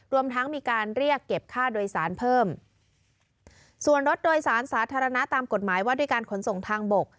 รวมทั้งมีการเรียกเก็บค่าโดยสารเพิ่มส่วนรถโดยสารสาธารณะตามกฎหมายว่าด้วยการขนส่งทางบก